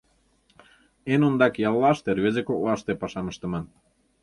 Эн ондак яллаште рвезе коклаште пашам ыштыман.